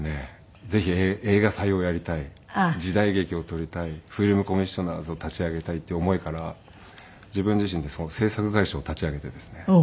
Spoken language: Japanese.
ぜひ映画祭をやりたい時代劇を撮りたいフィルムコミッショナーズを立ち上げたいっていう思いから自分自身で制作会社を立ち上げてですね